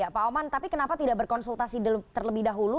pak oman tapi kenapa tidak berkonsultasi terlebih dahulu